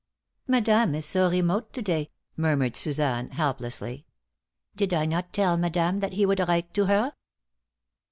"Madame is so remote to day!" murmured Suzanne, helplessly. "Did I not tell madame that he would write to her?"